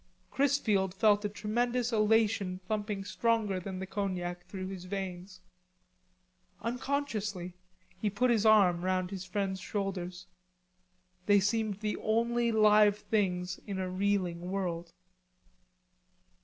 Chrisfield felt a tremendous elation thumping stronger than the cognac through his veins. Unconsciously he put his arm round his friend's shoulders. They seemed the only live things in a reeling world.